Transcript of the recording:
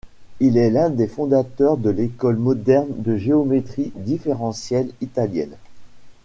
Il est l’un des fondateurs de l’école moderne de géométrie différentielle italienne.